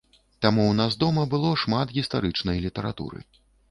Таму ў нас дома было шмат гістарычнай літаратуры.